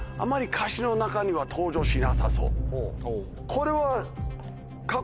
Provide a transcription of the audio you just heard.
これは。